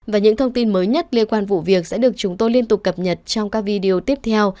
và những thông tin mới nhất liên quan vụ việc sẽ được chúng tôi liên tục cập nhật trong các video tiếp theo